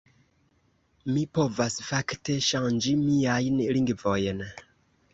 Mi povas, fakte, ŝanĝi miajn lingvojn